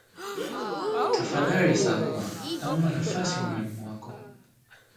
Tafadhali Salma naomba nafasi moyoni mwako